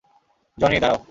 Johnny, দাঁড়াও।